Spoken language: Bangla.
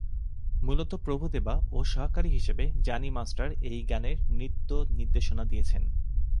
মূলত প্রভু দেবা ও সহকারী হিসেবে জানি মাস্টার এই গানের নৃত্য নির্দেশনা দিয়েছেন।